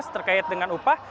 terkait dengan upah